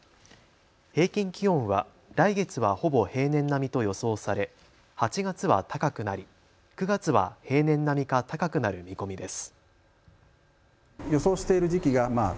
平均気温は来月はほぼ平年並みと予想され、８月は高くなり９月は平年並みか高くなる見込みです。